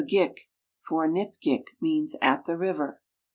%ik, for nip:>gik, means "at the water."